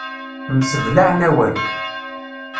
Mseblaɛen awal.